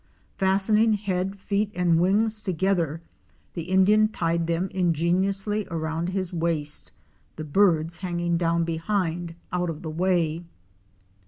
Fastening head, feet and wings together, the Indian tied them ingeniously around his waist, the birds hanging down behind out of the way.